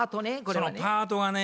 そのパートがね